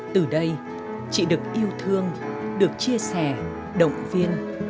từ đây chị được yêu thương được chia sẻ động viên